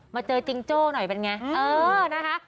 มาเจอจิงโจ้หน่อยเป็นไงเออนะคะ